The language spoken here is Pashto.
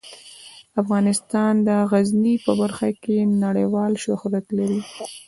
افغانستان د غزني په برخه کې نړیوال شهرت لري.